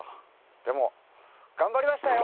でも頑張りましたよ！